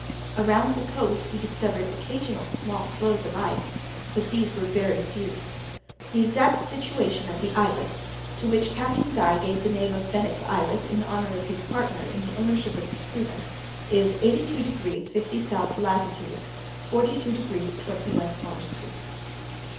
Around the coast we discovered occasional small floes of ice—but these were very few. The exact situation of the islet (to which Captain Guy gave the name of Bennet's Islet, in honour of his partner in the ownership of the schooner) is 82 degrees 50' S. latitude, 42 degrees 20' W. longitude.